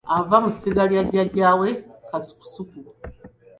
Ava mu ssiga lya jjajja we Kasukusuku.